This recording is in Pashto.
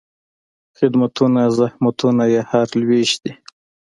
خدمتونه، زحمتونه یې هر لوېشت دي